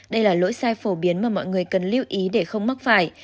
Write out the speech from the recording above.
đây là lỗi sai phổ biến mà mọi người cần lưu ý để không mắc phải